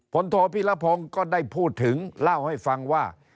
โทพิรพงศ์ก็ได้พูดถึงเล่าให้ฟังว่า